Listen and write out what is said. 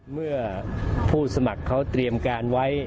เมื่อผู้สมัครเขาเตรียมการไว้